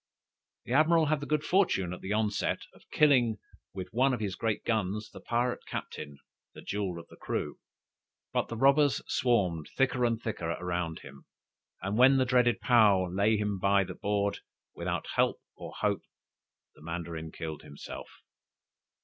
The Admiral had the good fortune, at the onset, of killing with one of his great guns the pirate captain, "The Jewel of the Crew." But the robbers swarmed thicker and thicker around him, and when the dreaded Paou lay him by the board, without help or hope, the Mandarin killed himself.